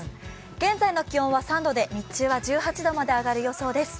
現在の気温は３度で日中は１８度まで上がる予想です。